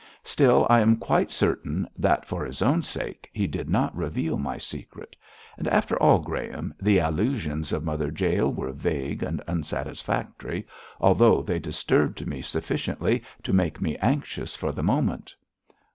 Still, I am quite certain that, for his own sake, he did not reveal my secret. And after all, Graham, the allusions of Mother Jael were vague and unsatisfactory, although they disturbed me sufficiently to make me anxious for the moment.'